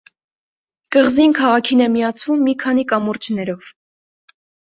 Կղզին քաղաքին է միացվում մի քանի կամուրջներով։